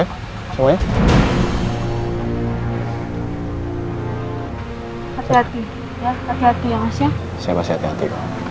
jangan biarkan hal buruk apapun terjadi sama mereka